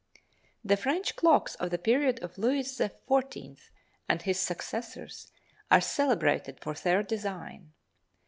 The French clocks of the period of Louis XIV and his successors are celebrated for their design.